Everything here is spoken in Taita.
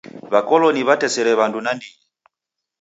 W'akoloni w'atesere w'andu nandighi.